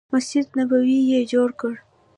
مسجد نبوي یې جوړ کړ.